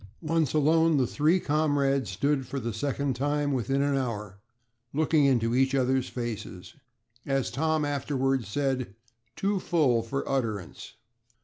Once alone, the three comrades stood for the second time within an hour, looking into each other's faces. As Tom afterwards said, "too full for utterance."